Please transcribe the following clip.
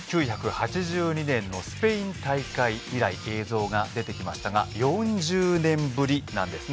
ワールドカップでは１９８２年のスペイン大会以来映像が出てきましたが４０年ぶりなんですね。